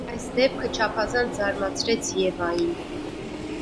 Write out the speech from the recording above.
Այս դեպքը չափազանց զարմացրեց Եվային: